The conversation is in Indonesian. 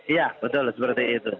iya betul seperti itu